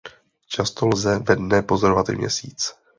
Často lze ve dne pozorovat i Měsíc.